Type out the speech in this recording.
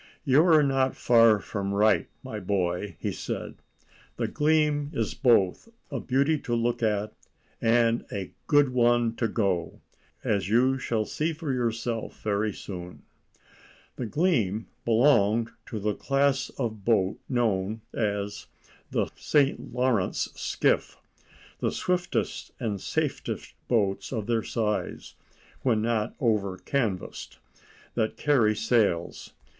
"You are not far from right, my boy," said he. "The Gleam is both a beauty to look at and a good one to go, as you shall see for yourself very soon." The Gleam belonged to the class of boat known as the "St. Lawrence skiff," the swiftest and safest boats of their size—when not over canvassed—that carry sails.